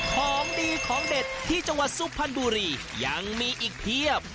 ของดีของเด็ดที่จังหวัดสุพรรณบุรียังมีอีกเพียบ